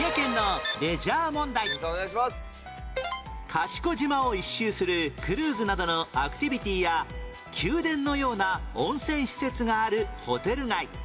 賢島を１周するクルーズなどのアクティビティや宮殿のような温泉施設があるホテル街